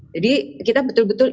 jadi kita betul betul